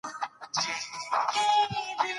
افغانستان د چرګانو په اړه مشهور تاریخی روایتونه.